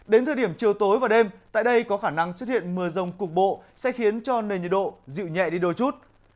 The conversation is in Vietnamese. đến thời điểm chiều tối và đêm tại đây có khả năng xuất hiện mưa rông cục bộ sẽ khiến cho nền nhiệt độ dịu nhẹ đi đôi chút